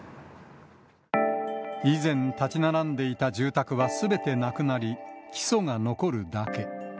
以前、建ち並んでいた住宅はすべてなくなり、基礎が残るだけ。